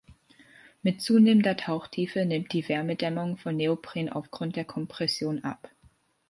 Mit zunehmender Tauchtiefe nimmt die Wärmedämmung von Neopren aufgrund der Kompression ab.